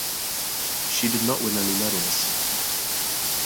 She did not win any medals.